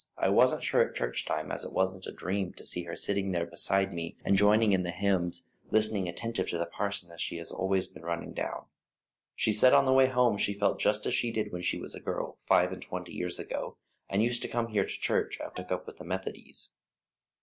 I wasn't sure at church time as it wasn't a dream to see her sitting there beside me, and joining in the hymns, listening attentive to the parson as she has always been running down. She said on the way home she felt just as she did when she was a girl, five and twenty years ago, and used to come over here to church, afore she took up with the Methodies."